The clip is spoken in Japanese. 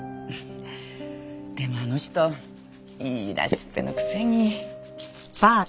でもあの人言い出しっぺのくせに。